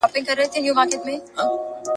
دام له سترګو وو نیهام خاورو کي ښخ وو ..